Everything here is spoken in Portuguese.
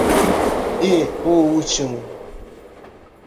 E o último?